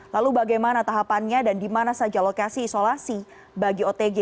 lalu bagaimana tahapannya dan di mana saja lokasi isolasi bagi otg